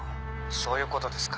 「そういう事ですか」